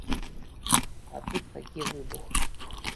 А тут такі выбух.